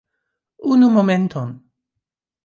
Unu momenton.